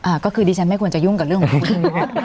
ก็คือดิฉันไม่ควรจะยุ่งกับเรื่องของคนอื่น